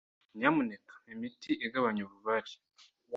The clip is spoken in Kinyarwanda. Nyamuneka mpa imiti igabanya ububabare.